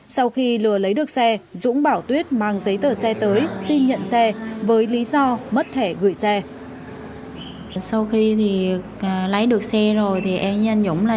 sau khi lừa lấy được xe dũng bảo tuyết mang giấy tờ xe tới xin nhận xe với lý do mất thẻ gửi xe